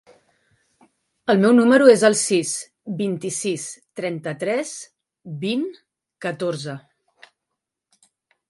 El meu número es el sis, vint-i-sis, trenta-tres, vint, catorze.